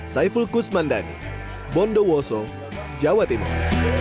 saya fulkus mandani bondo woso jawa timur